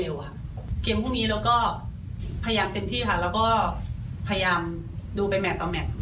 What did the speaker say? เราก็จะมีโอกาสมากขึ้นในการเรียกความตัวในวันนี้ค่ะ